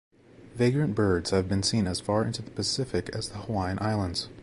Vagrant birds have been seen as far into the Pacific as the Hawaiian Islands.